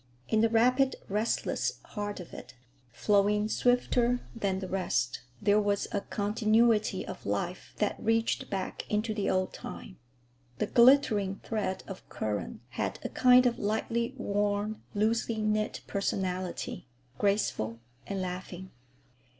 In the rapid, restless heart of it, flowing swifter than the rest, there was a continuity of life that reached back into the old time. The glittering thread of current had a kind of lightly worn, loosely knit personality, graceful and laughing.